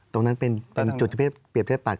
ตรงนั้นเป็นจุดเปรียบเทียบปัด